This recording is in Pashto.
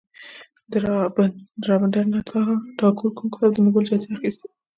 د رابندر ناته ټاګور کوم کتاب د نوبل جایزه اخیستې وه.